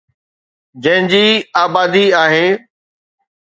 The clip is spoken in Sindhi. جنهن جي آبادي آهي.